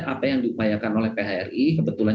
apa yang diupayakan oleh phri kebetulan